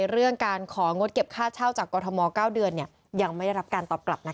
เรื่องการของงดเก็บค่าเช่าจากกรทม๙เดือนยังไม่ได้รับการตอบกลับ